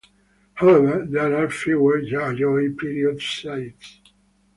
However, there are fewer Yayoi period sites.